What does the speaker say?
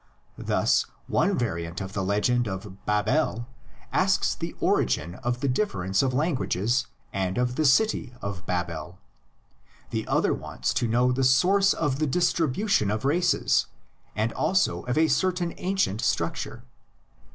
Thus, one variant of the legend of Babel asks the origin of the difference of lan guages and of the city of Babel, the other wants to know the source of the distribution of races and also of a certain ancient structure.